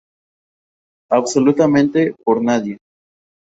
Absolutamente por nadie.